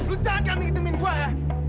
lo jangan kambing hitamin gue ya